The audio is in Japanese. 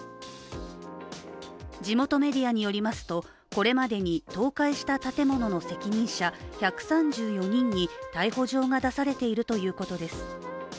地元メディアによりますと、これまでに倒壊した建物の責任者１３４人に逮捕状が出されているということです。